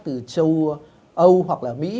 từ châu âu hoặc là mỹ